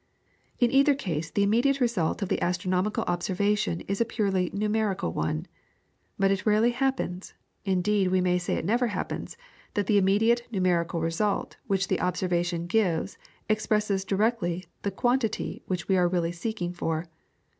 In either case the immediate result of the astronomical observation is a purely numerical one, but it rarely happens, indeed we may say it never happens, that the immediate numerical result which the observation gives expresses directly the quantity which we are really seeking for.